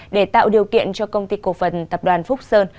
để tạo điều kiện cho công ty cổ phần tập đoàn phúc sơn